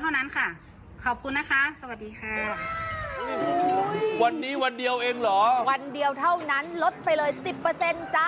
เท่านั้นค่ะขอบคุณนะคะสวัสดีค่ะวันนี้วันเดียวเองเหรอวันเดียวเท่านั้นลดไปเลยสิบเปอร์เซ็นต์จ้า